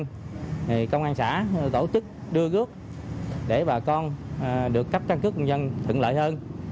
thì công an xã tổ chức đưa góp để bà con được cấp căn cước công dân thượng lợi hơn